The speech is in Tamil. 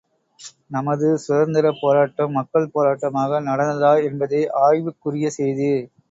நமது சுதந்தரப் போராட்டம் மக்கள் போராட்டமாக நடந்ததா என்பதே ஆய்வுக்குரிய செய்தி!